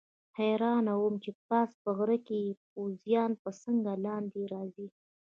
حیران وم چې پاس په غره کې پوځیان به څنګه لاندې راځي.